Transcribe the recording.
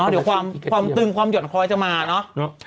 เดี๋ยวความตึงความหย่อนคอยจะมาเนอะ